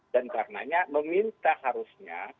dan karenanya meminta harusnya